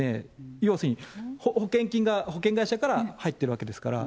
要するに、保険金が、保険会社から入ってるわけですから。